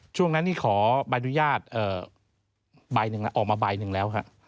ช่วงนั้นนี่ขออนุญาตออกมาใบหนึ่งแล้วค่ะ